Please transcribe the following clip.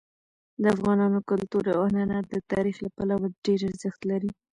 د افغانانو کلتور او عنعنات د تاریخ له پلوه ډېر ارزښت لري.